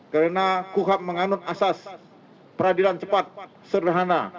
karena kuhab menganut asas peradilan cepat sederhana